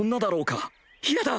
嫌だ！